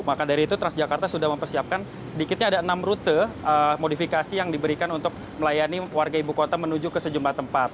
maka dari itu transjakarta sudah mempersiapkan sedikitnya ada enam rute modifikasi yang diberikan untuk melayani warga ibu kota menuju ke sejumlah tempat